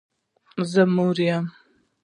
زه ستا مور یم.